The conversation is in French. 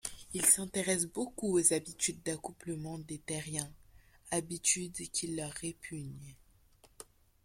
Ils s'intéressent beaucoup aux habitudes d'accouplement des Terriens, habitudes qui leur répugnent.